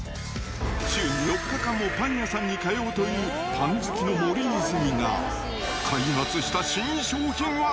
週に４日間もパン屋さんに通うという、パン好きの森泉が、開発した新商品は。